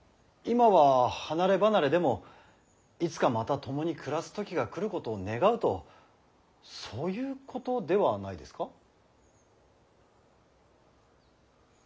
今は離れ離れでもいつかまた共に暮らす時が来ることを願うとそういうことではないですか。